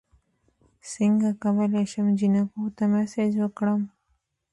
څنګه کولی شم جینکو ته میسج ورکړم